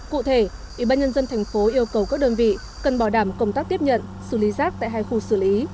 cụ thể ủy ban nhân dân thành phố yêu cầu các đơn vị cần bảo đảm công tác tiếp nhận xử lý rác tại hai khu xử lý